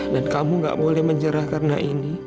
dan kamu nggak boleh mencerah karena ini